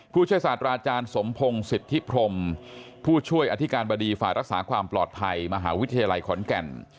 ผู้ช่วยศาสตราอาจารย์สมพงศ์สิทธิพรมผู้ช่วยอธิการบดีฝ่ายรักษาความปลอดภัยมหาวิทยาลัยขอนแก่น